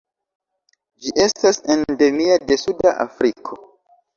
Ĝi estas endemia de suda Afriko.